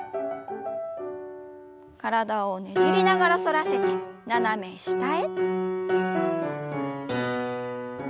体をねじりながら反らせて斜め下へ。